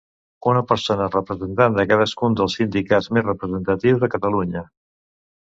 Una persona representant de cadascun dels sindicats més representatius a Catalunya.